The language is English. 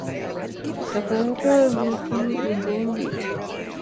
The bachelor's routine is ended.